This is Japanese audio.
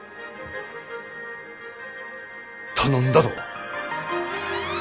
頼んだど。